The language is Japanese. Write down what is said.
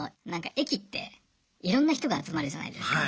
駅っていろんな人が集まるじゃないですか。